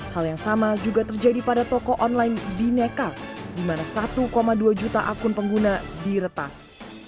hal yang sama juga terjadi pada toko online bineka di mana satu dua juta akun pengguna diretas